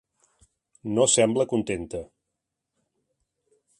No sembla contenta.